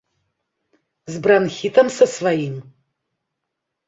З бранхітам са сваім?